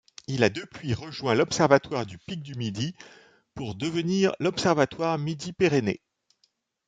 Il a depuis rejoint l'observatoire du Pic du Midi, pour devenir l'observatoire Midi-Pyrénées.